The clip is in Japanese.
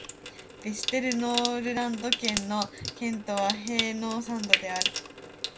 ヴェステルノールランド県の県都はヘーノーサンドである